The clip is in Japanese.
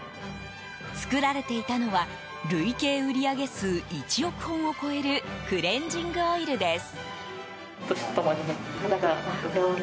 作られていたのは累計売上数１億本を超えるクレンジングオイルです。